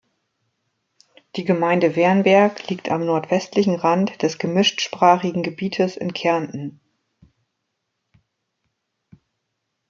Die Gemeinde Wernberg liegt am nordwestlichen Rand des gemischtsprachigen Gebietes in Kärnten.